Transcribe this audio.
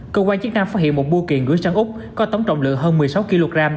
cơ quan chức năng phát hiện một bua kiện gửi sang úc có tổng trọng lượng hơn một mươi sáu kg